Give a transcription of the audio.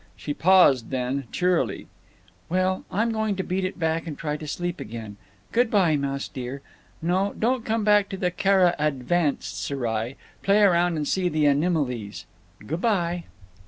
She paused; then, cheerily: "Well, I'm going to beat it back and try to sleep again. Good by, Mouse dear. No, don't come back to the Cara advanced serai. Play around and see the animiles. G' by."